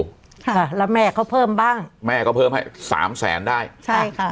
ค่ะแล้วแม่เขาเพิ่มบ้างแม่ก็เพิ่มให้สามแสนได้ใช่ค่ะ